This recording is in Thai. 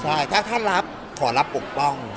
ใช่ถ้าข้ารับขอจะรับปกป้องค่ะ